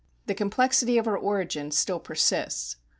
The complexity of her origin still persists.